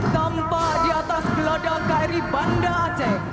tanpa di atas geladang kri bandar aceh